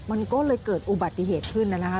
มันก็เลยเกิดอุบัติเหตุขึ้นนะคะ